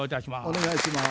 お願いします。